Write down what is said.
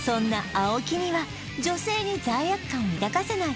青木には女性に罪悪感を抱かせない